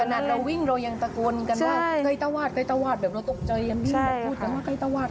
ขนาดเราวิ่งเรายังตะโกนกันว่าไข่ตะวาดไข่ตะวาดเดี๋ยวเราตกใจยังวิ่ง